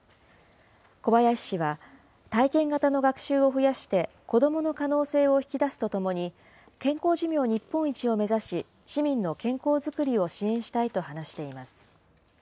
小林氏は、体験型の学習を増やして、子どもの可能性を引き出すとともに、健康寿命日本一を目指し市民の健康作りを支援したいと話しています。